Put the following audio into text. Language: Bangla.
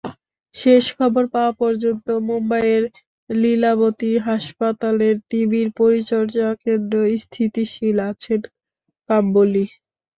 শেষ খবর পাওয়া পর্যন্ত মুম্বাইয়ের লীলাবতী হাসপাতালের নিবিড় পরিচর্যাকেন্দ্রে স্থিতিশীল আছেন কাম্বলি।